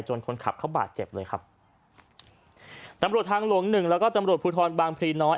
คนขับเขาบาดเจ็บเลยครับตำรวจทางหลวงหนึ่งแล้วก็ตำรวจภูทรบางพลีน้อย